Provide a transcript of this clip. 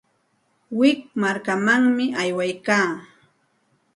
Wik markamanmi aywaykaa.